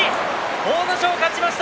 阿武咲勝ちました。